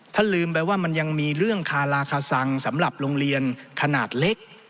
ลืมไปว่ามันยังมีเรื่องคาราคาซังสำหรับโรงเรียนขนาดเล็ก